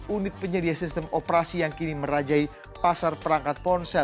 unit penyedia sistem operasi yang kini merajai pasar perangkat ponsel